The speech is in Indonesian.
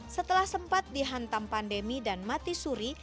setelah sempat dihantam pandemi dan mati suri